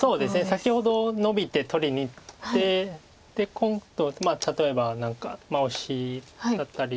先ほどノビて取りにいってで今度例えば何かオシだったり。